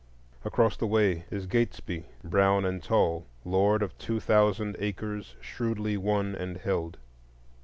Across the way is Gatesby, brown and tall, lord of two thousand acres shrewdly won and held.